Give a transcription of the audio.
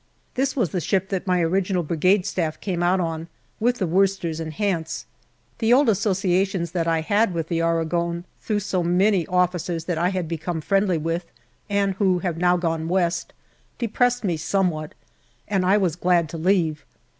This was the ship that my original Brigade Staff came out on, with the Worcesters and Hants. The old associations that I had with the Aragon, through so many officers that I had become friendly with and who have now gone West, depressed me somewhat, and I was glad to leave.